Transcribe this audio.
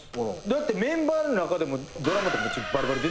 だってメンバーの中でもドラマとかばりばり出てるやん。